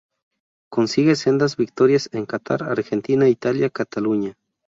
Consigue sendas victorias en Catar, Argentina, Italia, Cataluña.